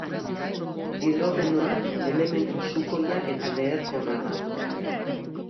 Hidrogenoa elementu sukoia eta leherkorra da.